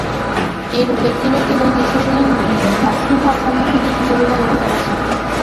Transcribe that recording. এইরূপ ব্যক্তিরই কেবল বিশ্বজনীন ভ্রাতৃভাব সম্বন্ধে কিছু বলিবার অধিকার আছে।